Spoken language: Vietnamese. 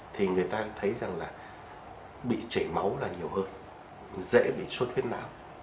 thì người ta thấy rằng là bị chảy máu là nhiều hơn dễ bị suất huyết não